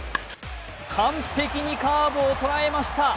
完璧にカーブを捉えました。